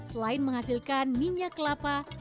selain menghasilkan minyak kelapa